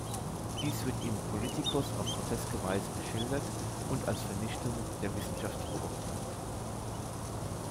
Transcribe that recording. Dies wird im "Politikos" auf groteske Weise geschildert und als Vernichtung der Wissenschaft beurteilt.